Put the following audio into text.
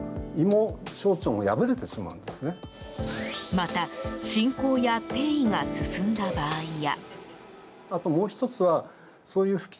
また進行や転移が進んだ場合や。